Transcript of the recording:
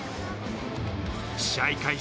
試合開始